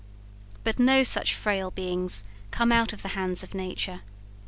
But no such frail beings come out of the hands of nature.